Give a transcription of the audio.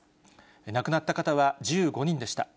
亡くなった方は１５人でした。